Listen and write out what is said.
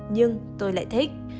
nhưng tôi lại thích